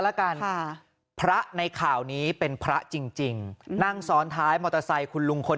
แล้วกันค่ะพระในข่าวนี้เป็นพระจริงจริงนั่งซ้อนท้ายมอเตอร์ไซค์คุณลุงคน